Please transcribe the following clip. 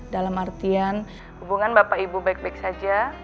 dalam artian hubungan bapak ibu baik baik saja